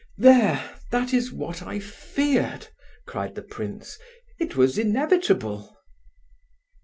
"There! that is what I feared!" cried the prince. "It was inevitable!"